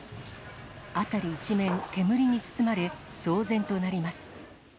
辺り一面、煙に包まれ、騒然となります。